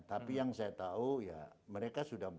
tapi yang saya tahu ya mereka sudah